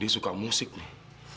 dia suka musik nih